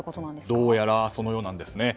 どうやらそのようなんです。